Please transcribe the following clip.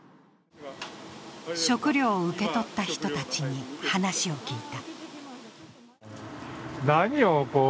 食料を受け取った人たちに話を聞いた。